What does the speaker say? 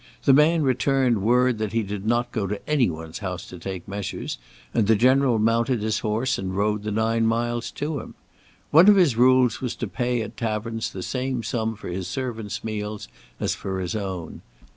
The man returned word that he did not go to any one's house to take measures, and the General mounted his horse and rode the nine miles to him. One of his rules was to pay at taverns the same sum for his servants' meals as for his own.